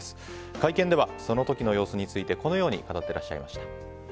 会見では、その時の様子についてこのように語っていらっしゃいました。